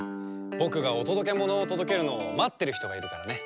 ぼくがおとどけものをとどけるのをまってるひとがいるからね。